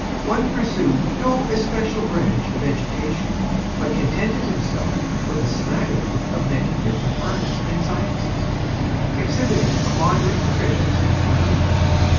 One pursued no Especial Branch of Education, but Contented himself with a Smattering of many different Arts and Sciences, exhibiting a Moderate Proficiency in Each.